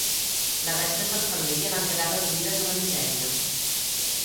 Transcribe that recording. Les restes de la família van quedar reduïdes a la misèria.